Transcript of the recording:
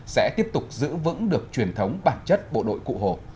sẽ tiếp tục giữ vững được truyền thống bản chất bộ đội cụ hồ